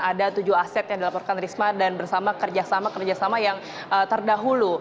ada tujuh aset yang dilaporkan risma dan bersama kerjasama kerjasama yang terdahulu